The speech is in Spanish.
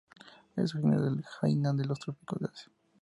Es originario de Hainan y los trópicos de Asia.